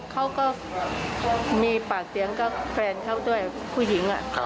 เขาก็มีปากเสียงกับแฟนเขาด้วยผู้หญิง